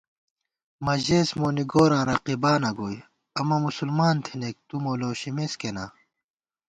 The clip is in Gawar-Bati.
مہ ژېس مونی گوراں رقیبانہ گوئی * امہ مسلمان تھنَئیک تُو مو لوشِمېس کېنا